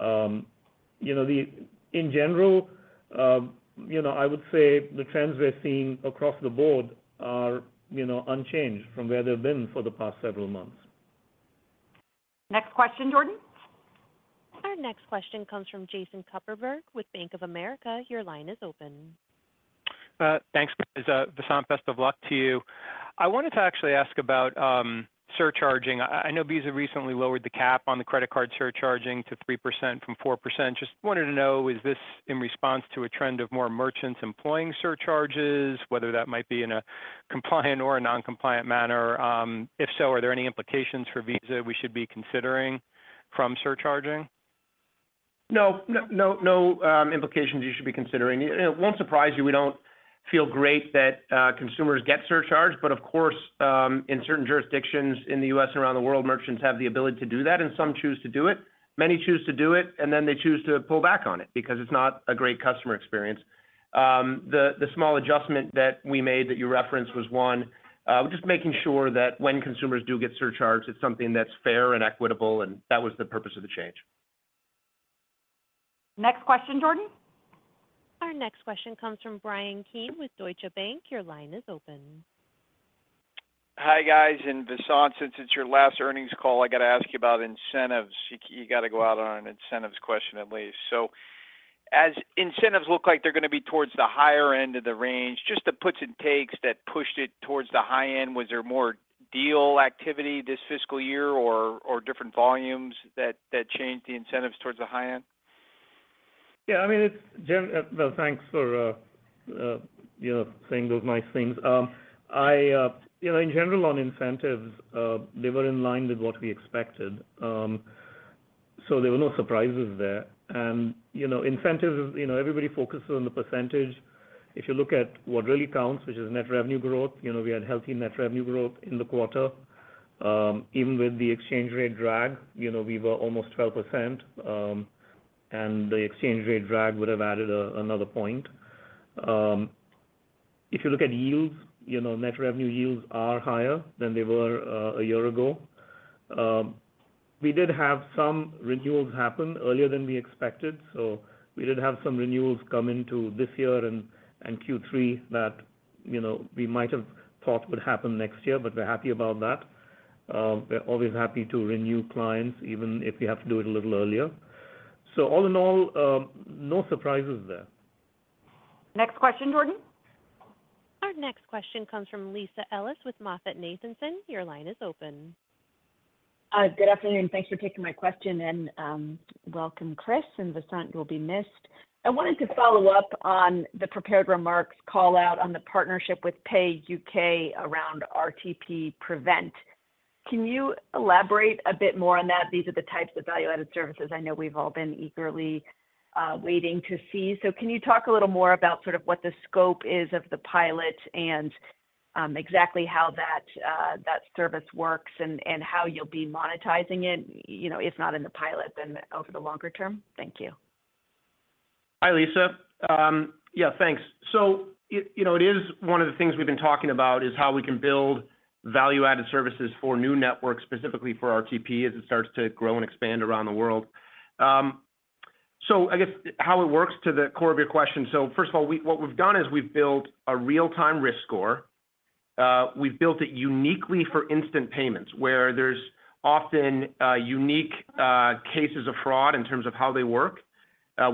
You know, in general, you know, I would say the trends we're seeing across the board are, you know, unchanged from where they've been for the past several months. Next question, Jordan? Our next question comes from Jason Kupferberg with Bank of America. Your line is open. Thanks, guys. Vasant, best of luck to you. I wanted to actually ask about surcharging. I know Visa recently lowered the cap on the credit card surcharging to 3% from 4%. Just wanted to know, is this in response to a trend of more merchants employing surcharges, whether that might be in a compliant or a non-compliant manner? If so, are there any implications for Visa we should be considering from surcharging? No, no, no, implications you should be considering. It won't surprise you. We don't feel great that consumers get surcharged. Of course, in certain jurisdictions in the U.S. and around the world, merchants have the ability to do that. Some choose to do it. Many choose to do it, then they choose to pull back on it because it's not a great customer experience. The small adjustment that we made that you referenced was, one, we're just making sure that when consumers do get surcharged, it's something that's fair and equitable, and that was the purpose of the change. Next question, Jordan? Our next question comes from Bryan Keane with Deutsche Bank. Your line is open. Hi, guys. Vasant, since it's your last earnings call, I got to ask you about incentives. You got to go out on an incentives question at least. As incentives look like they're going to be towards the higher end of the range, just the puts and takes that pushed it towards the high end, was there more deal activity this fiscal year or different volumes that changed the incentives towards the high end? Yeah, I mean, Well, thanks for, you know, saying those nice things. I, you know, in general, on incentives, they were in line with what we expected. There were no surprises there. You know, incentives, you know, everybody focuses on the percentage. If you look at what really counts, which is net revenue growth, you know, we had healthy net revenue growth in the quarter. Even with the exchange rate drag, you know, we were almost 12%, and the exchange rate drag would have added another point. If you look at yields, you know, net revenue yields are higher than they were, a year ago. We did have some renewals happen earlier than we expected. We did have some renewals come into this year and Q3 that, you know, we might have thought would happen next year. We're happy about that. We're always happy to renew clients, even if we have to do it a little earlier. All in all, no surprises there. Next question, Jordan. Our next question comes from Lisa Ellis with MoffettNathanson. Your line is open. Good afternoon. Thanks for taking my question. Welcome, Chris and Vasant, you will be missed. I wanted to follow up on the prepared remarks call out on the partnership with Pay.UK around RTP Prevent. Can you elaborate a bit more on that? These are the types of value-added services I know we've all been eagerly waiting to see. Can you talk a little more about sort of what the scope is of the pilot and exactly how that service works and how you'll be monetizing it, you know, if not in the pilot, then over the longer term? Thank you. Hi, Lisa. Yeah, thanks. It, you know, it is one of the things we've been talking about is how we can build value-added services for new networks, specifically for RTP, as it starts to grow and expand around the world. I guess how it works to the core of your question, first of all, what we've done is we've built a real-time risk score. We've built it uniquely for instant payments, where there's often, unique cases of fraud in terms of how they work.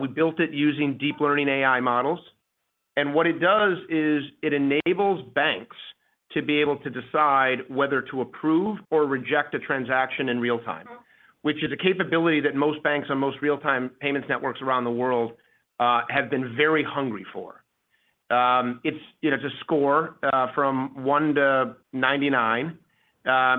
We built it using deep learning AI models. What it does is, it enables banks to be able to decide whether to approve or reject a transaction in real time, which is a capability that most banks or most real-time payments networks around the world, have been very hungry for. It's, you know, it's a score from one to 99.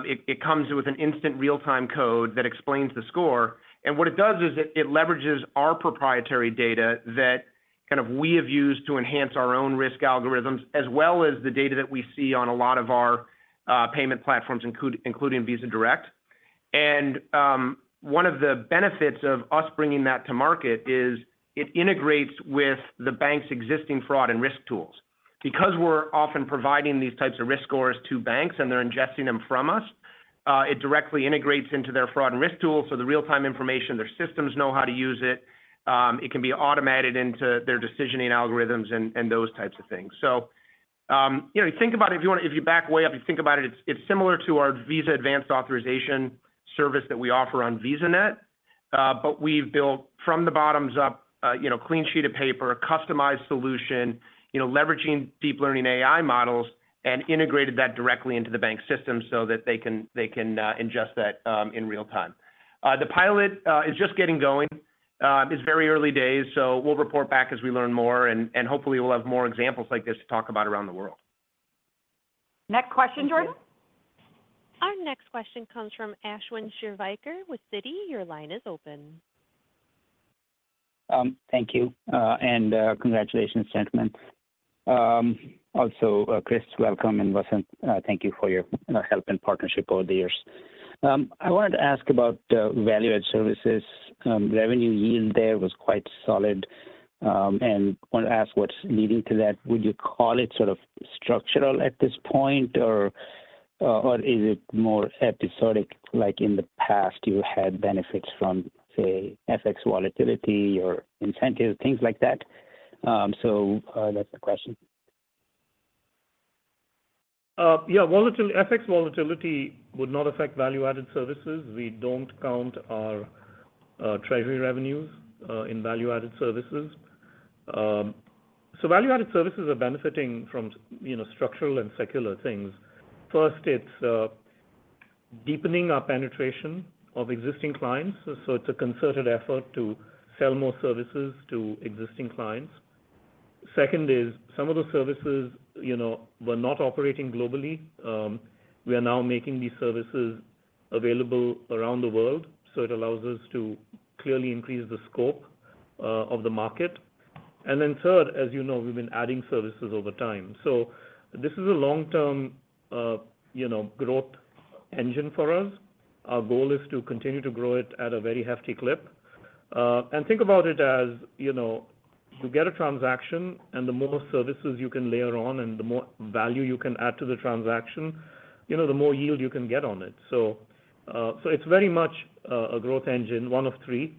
It comes with an instant real-time code that explains the score. What it does is it leverages our proprietary data that kind of we have used to enhance our own risk algorithms, as well as the data that we see on a lot of our payment platforms, including Visa Direct. One of the benefits of us bringing that to market is, it integrates with the bank's existing fraud and risk tools. Because we're often providing these types of risk scores to banks, and they're ingesting them from us, it directly integrates into their fraud and risk tools. The real-time information, their systems know how to use it can be automated into their decisioning algorithms and those types of things. You know, think about it, if you back way up and think about it's, it's similar to our Visa advanced authorization service that we offer on VisaNet, but we've built from the bottoms up, you know, clean sheet of paper, a customized solution, you know, leveraging deep learning AI models and integrated that directly into the bank system so that they can ingest that in real time. The pilot is just getting going. It's very early days, so we'll report back as we learn more, and hopefully, we'll have more examples like this to talk about around the world. Next question, Jordan. Our next question comes from Ashwin Shirvaikar with Citi. Your line is open. Thank you, and congratulations, gentlemen. Also, Chris, welcome, and Vasant, thank you for your help and partnership over the years. I wanted to ask about the value-added services. Revenue yield there was quite solid, and want to ask what's leading to that. Would you call it sort of structural at this point, or is it more episodic, like in the past, you had benefits from, say, FX volatility or incentive, things like that? So, that's the question. Yeah, volatility- FX volatility would not affect value-added services. We don't count our treasury revenues in value-added services. Value-added services are benefiting from, you know, structural and secular things. First, it's deepening our penetration of existing clients. It's a concerted effort to sell more services to existing clients. Second is, some of the services, you know, were not operating globally. We are now making these services available around the world, it allows us to clearly increase the scope of the market. Third, as you know, we've been adding services over time. This is a long-term, you know, growth engine for us. Our goal is to continue to grow it at a very hefty clip. Think about it as, you know. You get a transaction, and the more services you can layer on, and the more value you can add to the transaction, you know, the more yield you can get on it. So it's very much a growth engine, one of three.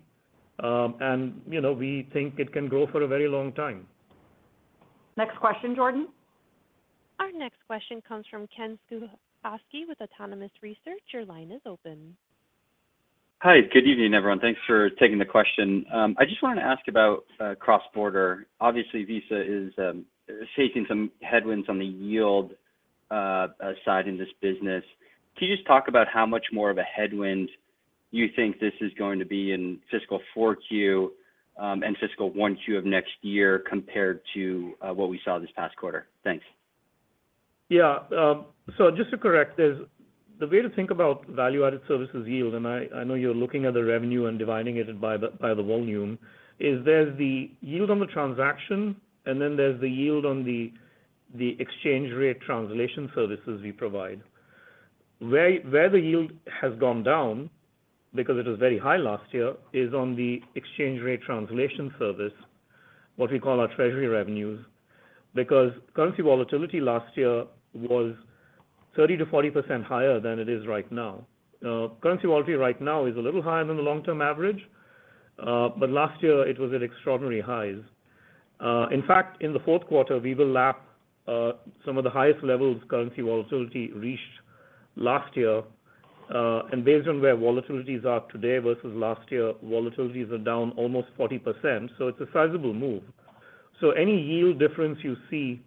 You know, we think it can grow for a very long time. Next question, Jordan? Our next question comes from Ken Suchoski with Autonomous Research. Your line is open. Hi. Good evening, everyone. Thanks for taking the question. I just wanted to ask about cross-border. Obviously, Visa is taking some headwinds on the yield side in this business. Can you just talk about how much more of a headwind you think this is going to be in fiscal 4Q and fiscal 1Q of next year compared to what we saw this past quarter? Thanks. Just to correct this, the way to think about value-added services yield, and I know you're looking at the revenue and dividing it by the, by the volume, is there's the yield on the transaction, and then there's the yield on the exchange rate translation services we provide. Where the yield has gone down, because it was very high last year, is on the exchange rate translation service, what we call our treasury revenues, because currency volatility last year was 30%-40% higher than it is right now. Currency volatility right now is a little higher than the long-term average, but last year it was at extraordinary highs. In fact, in the fourth quarter, we will lap some of the highest levels currency volatility reached last year. Based on where volatilities are today versus last year, volatilities are down almost 40%, so it's a sizable move. Any yield difference you see,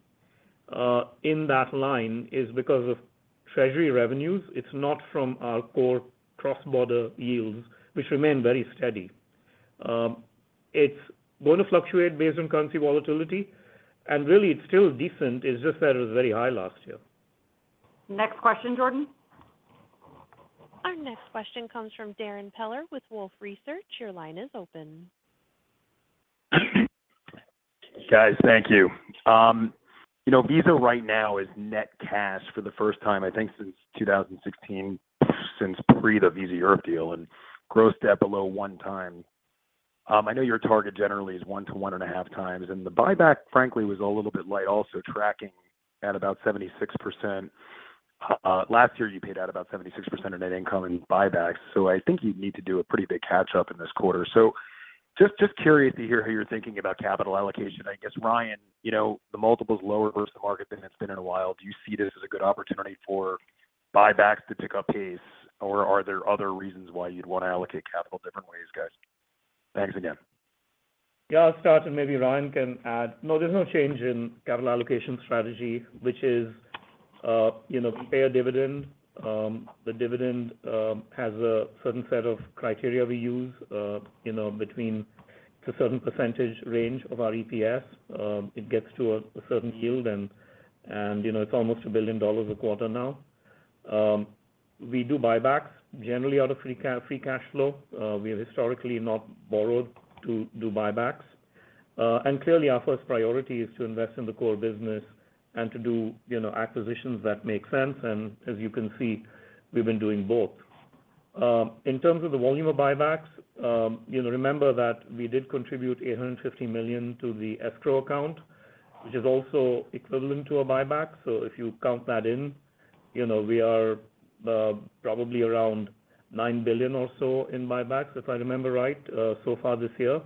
in that line is because of treasury revenues. It's not from our core cross-border yields, which remain very steady. It's going to fluctuate based on currency volatility, and really, it still is decent, it's just that it was very high last year. Next question, Jordan. Our next question comes from Darrin Peller with Wolfe Research. Your line is open. Guys, thank you. You know, Visa right now is net cash for the first time, I think since 2016, since pre the Visa Europe deal, and gross debt below 1x. I know your target generally is 1x-1.5x, and the buyback, frankly, was a little bit light, also tracking at about 76%. Last year, you paid out about 76% of net income in buybacks, I think you'd need to do a pretty big catch-up in this quarter. Just curious to hear how you're thinking about capital allocation. I guess, Ryan, you know, the multiple's lower versus the market than it's been in a while. Do you see this as a good opportunity for buybacks to pick up pace, or are there other reasons why you'd want to allocate capital different ways, guys? Thanks again. I'll start, and maybe Ryan can add. There's no change in capital allocation strategy, which is, you know, pay a dividend. The dividend has a certain set of criteria we use, you know, between a certain percentage range of our EPS. It gets to a certain yield and, you know, it's almost $1 billion a quarter now. We do buybacks generally out of free cash flow. We have historically not borrowed to do buybacks. Clearly, our first priority is to invest in the core business and to do, you know, acquisitions that make sense, and as you can see, we've been doing both. In terms of the volume of buybacks, you know, remember that we did contribute $850 million to the escrow account, which is also equivalent to a buyback. If you count that in, you know, we are probably around $9 billion or so in buybacks, if I remember right, so far this year.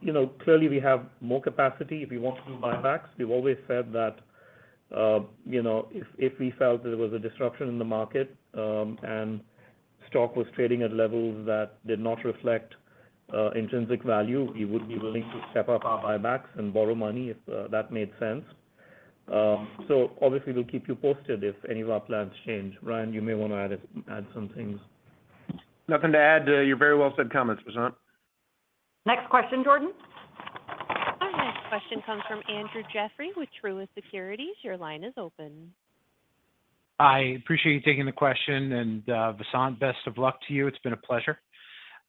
You know, clearly we have more capacity if we want to do buybacks. We've always said that, you know, if we felt there was a disruption in the market, and stock was trading at levels that did not reflect intrinsic value, we would be willing to step up our buybacks and borrow money, if that made sense. Obviously, we'll keep you posted if any of our plans change. Ryan, you may want to add some things. Nothing to add to your very well said comments, Vasant. Next question, Jordan. Our next question comes from Andrew Jeffrey with Truist Securities. Your line is open. I appreciate you taking the question, and Vasant, best of luck to you. It's been a pleasure.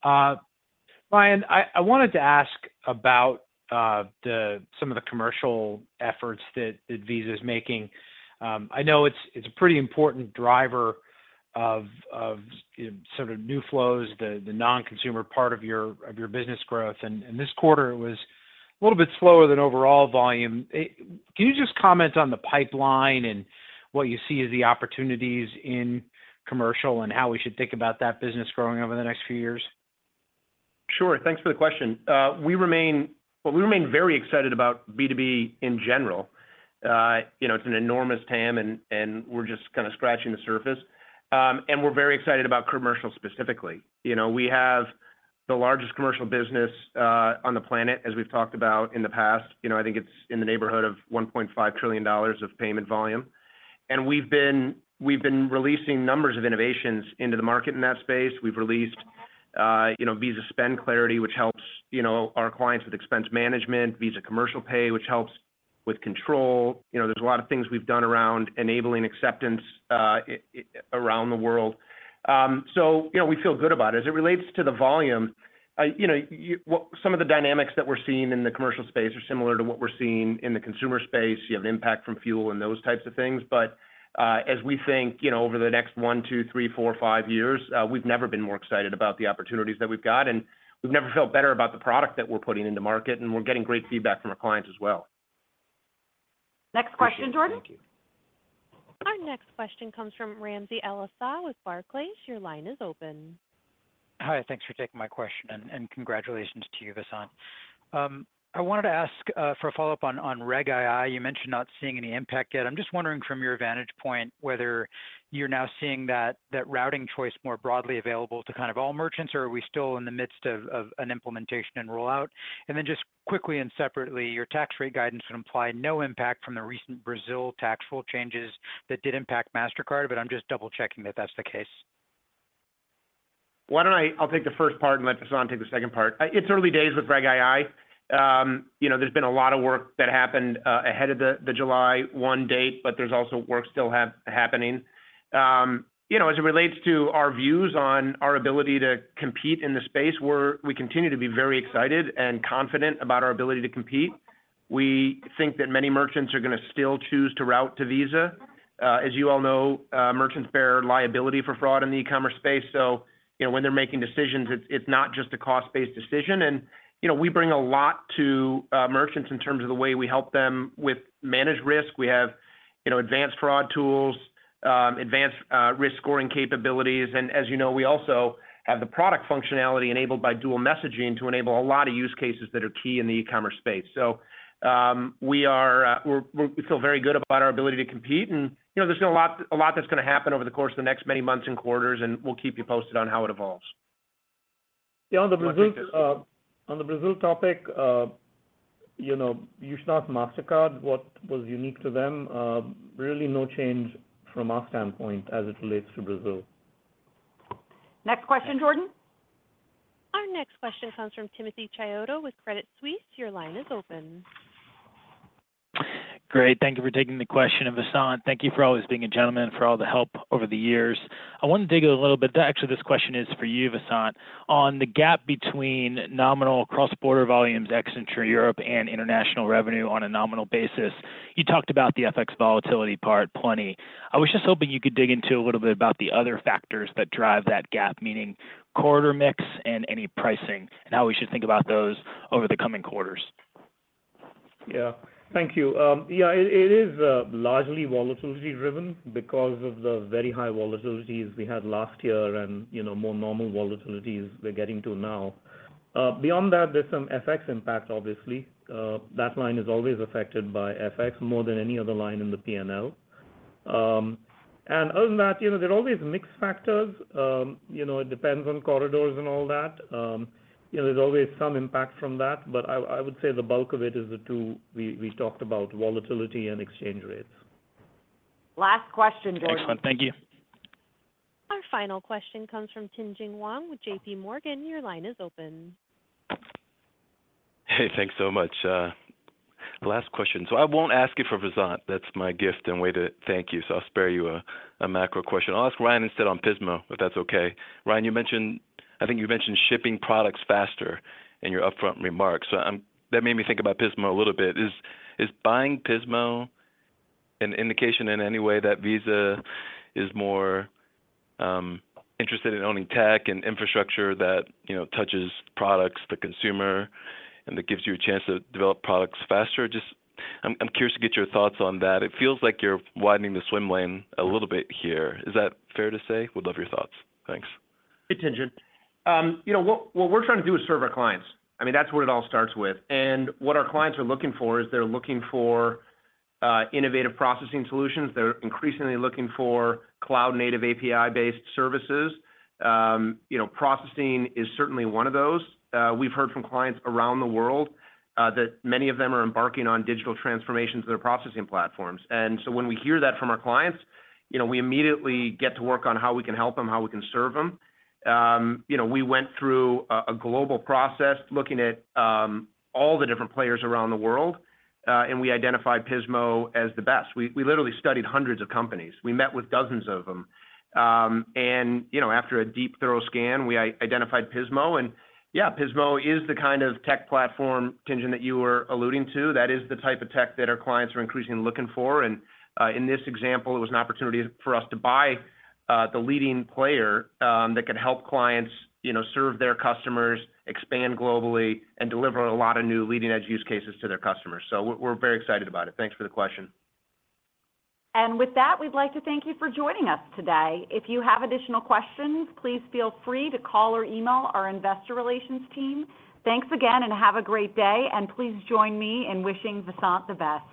Ryan, I wanted to ask about some of the commercial efforts that Visa is making. I know it's a pretty important driver of sort of new flows, the non-consumer part of your business growth, and this quarter it was a little bit slower than overall volume. Can you just comment on the pipeline and what you see as the opportunities in commercial, and how we should think about that business growing over the next few years? Sure. Thanks for the question. We remain very excited about B2B in general. You know, it's an enormous TAM, and we're just kinda scratching the surface. We're very excited about commercial specifically. You know, we have the largest commercial business, on the planet, as we've talked about in the past. You know, I think it's in the neighborhood of $1.5 trillion of payment volume. We've been releasing numbers of innovations into the market in that space. We've released, you know, Visa Spend Clarity, which helps, you know, our clients with expense management, Visa Commercial Pay, which helps with control. You know, there's a lot of things we've done around enabling acceptance around the world. You know, we feel good about it. As it relates to the volume, you know, some of the dynamics that we're seeing in the commercial space are similar to what we're seeing in the consumer space. You have impact from fuel and those types of things. As we think, you know, over the next one, two, three, four, five years, we've never been more excited about the opportunities that we've got, and we've never felt better about the product that we're putting in the market, and we're getting great feedback from our clients as well. Next question, Jordan? Our next question comes from Ramsey El-Assal with Barclays. Your line is open. Hi, thanks for taking my question, and congratulations to you, Vasant. I wanted to ask for a follow-up on Reg II. You mentioned not seeing any impact yet. I'm just wondering from your vantage point, whether you're now seeing that routing choice more broadly available to kind of all merchants, or are we still in the midst of an implementation and rollout? Then just quickly and separately, your tax rate guidance would imply no impact from the recent Brazil tax rule changes that did impact Mastercard, but I'm just double-checking that that's the case. Why don't I'll take the first part and let Vasant take the second part. It's early days with Reg II. You know, there's been a lot of work that happened ahead of the July 1 date, but there's also work still happening. You know, as it relates to our views on our ability to compete in the space, we continue to be very excited and confident about our ability to compete. We think that many merchants are gonna still choose to route to Visa. As you all know, merchants bear liability for fraud in the e-commerce space, so, you know, when they're making decisions, it's not just a cost-based decision. You know, we bring a lot to merchants in terms of the way we help them with managed risk. We have, you know, advanced fraud tools, advanced risk scoring capabilities, and as you know, we also have the product functionality enabled by dual messaging to enable a lot of use cases that are key in the e-commerce space. We feel very good about our ability to compete and, you know, there's been a lot that's gonna happen over the course of the next many months and quarters, and we'll keep you posted on how it evolves. Yeah, on the Brazil, on the Brazil topic, you know, you should ask Mastercard what was unique to them. really no change from our standpoint as it relates to Brazil. Next question, Jordan. Our next question comes from Timothy Chiodo with Credit Suisse. Your line is open. Great. Thank you for taking the question. Vasant, thank you for always being a gentleman, for all the help over the years. I want to dig a little bit, actually, this question is for you, Vasant. On the gap between nominal cross-border volumes, ex-Intra Europe and international revenue on a nominal basis, you talked about the FX volatility part plenty. I was just hoping you could dig into a little bit about the other factors that drive that gap, meaning quarter mix and any pricing, and how we should think about those over the coming quarters. Yeah. Thank you. Yeah, it is largely volatility driven because of the very high volatilities we had last year and, you know, more normal volatilities we're getting to now. Beyond that, there's some FX impact, obviously. That line is always affected by FX more than any other line in the P&L. Other than that, you know, there are always mix factors. You know, it depends on corridors and all that. You know, there's always some impact from that, but I would say the bulk of it is the two we talked about, volatility and exchange rates. Last question, Jordan. Excellent. Thank you. Our final question comes from Tien-Tsin Huang with JPMorgan. Your line is open. Hey, thanks so much. The last question. I won't ask you for Vasant. That's my gift and way to thank you, so I'll spare you a macro question. I'll ask Ryan instead on Pismo, if that's okay. Ryan, I think you mentioned shipping products faster in your upfront remarks. That made me think about Pismo a little bit. Is buying Pismo an indication in any way that Visa is more interested in owning tech and infrastructure that, you know, touches products, the consumer, and that gives you a chance to develop products faster? Just I'm curious to get your thoughts on that. It feels like you're widening the swim lane a little bit here. Is that fair to say? Would love your thoughts. Thanks. Hey, Tien-Tsin. You know, what we're trying to do is serve our clients. I mean, that's what it all starts with. What our clients are looking for is they're looking for innovative processing solutions. They're increasingly looking for cloud native API-based services. You know, processing is certainly one of those. We've heard from clients around the world that many of them are embarking on digital transformations of their processing platforms. When we hear that from our clients, you know, we immediately get to work on how we can help them, how we can serve them. You know, we went through a global process, looking at all the different players around the world, we identified Pismo as the best. We literally studied hundreds of companies. We met with dozens of them. You know, after a deep, thorough scan, we identified Pismo. Yeah, Pismo is the kind of tech platform, Tien-Tsin, that you were alluding to. That is the type of tech that our clients are increasingly looking for. In this example, it was an opportunity for us to buy the leading player, that could help clients, you know, serve their customers, expand globally, and deliver a lot of new leading-edge use cases to their customers. We're very excited about it. Thanks for the question. With that, we'd like to thank you for joining us today. If you have additional questions, please feel free to call or email our Investor Relations team. Thanks again and have a great day, and please join me in wishing Vasant the best.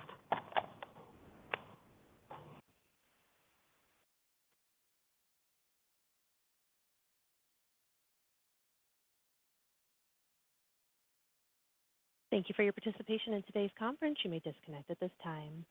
Thank you for your participation in today's conference. You may disconnect at this time.